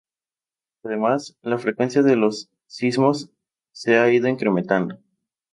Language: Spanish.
Además, la frecuencia de los sismos se ha ido incrementando.